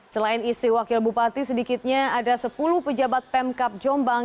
selain istri wakil bupati sedikitnya ada sepuluh pejabat pemkap jombang